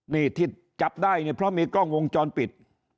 นี่ที่จับได้เนี่ยเพราะมีกล้องวงจรปิด